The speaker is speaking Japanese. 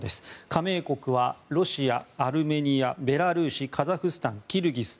加盟国はロシア、アルメニアベラルーシカザフスタン、キルギス